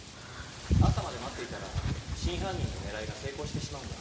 朝まで待っていたら真犯人の狙いが成功してしまうんだ。